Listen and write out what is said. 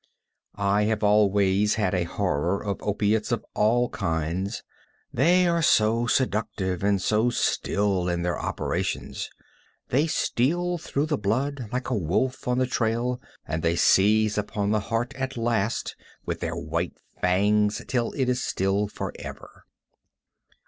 I have always had a horror of opiates of all kinds. They are so seductive and so still in their operations. They steal through the blood like a wolf on the trail, and they seize upon the heart at last with their white fangs till it is still forever.